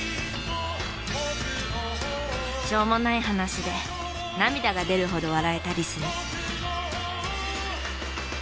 しょうもない話で涙が出るほど笑えたりする。